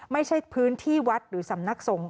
ไม่ใช่พื้นที่วัดหรือสำนักสงฆ